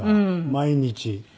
毎日！？